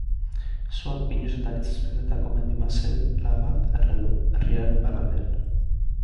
Suak pinuz eta aritzez betetako mendi-mazela bat erre du, herriaren iparraldean.